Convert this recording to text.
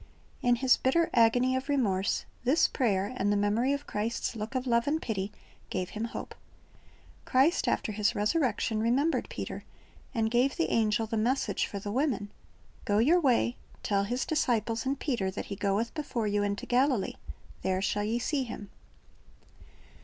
"^ In his bitter agony of remorse, this prayer, and the memory of Christ's look of love and pity, gave him hope. Christ after His resurrection remembered Peter, and gave the angel the message for the women, "Go your way, tell His disciples and Peter that He goeth before you into Galilee; there shall ye see Him."